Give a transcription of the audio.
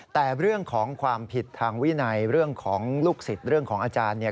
แต่เรื่องของความผิดทางวินัยเรื่องของลูกศิษย์เรื่องของอาจารย์เนี่ย